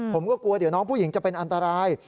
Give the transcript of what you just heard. ผมก็กลัวเดี๋ยวน้องผู้หญิงจะเป็นอันตราย